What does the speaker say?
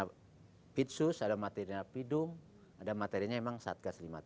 ada materinya pitsus ada materinya pidum ada materinya memang satgas lima puluh tiga